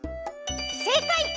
せいかい！